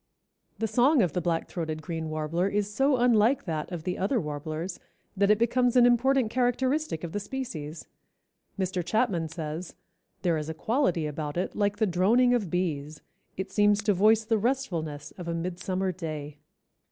The song of the Black throated Green Warbler is so unlike that of the other warblers that it becomes an important characteristic of the species. Mr. Chapman says, "There is a quality about it like the droning of bees; it seems to voice the restfulness of a midsummer day."